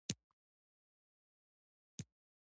سرحدونه د افغانانو لپاره په معنوي لحاظ ارزښت لري.